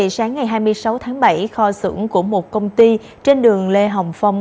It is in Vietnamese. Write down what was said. sáng ngày hai mươi sáu tháng bảy kho xưởng của một công ty trên đường lê hồng phong